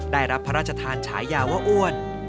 ได้รับพระราชทานฉายาว่าอ้วน